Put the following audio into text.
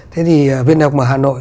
thế thì viên đại học ở hà nội